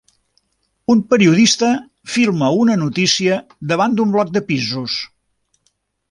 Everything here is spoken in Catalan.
Un periodista filma una notícia davant d'un bloc de pisos.